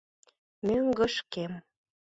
Мӧҥгышкем.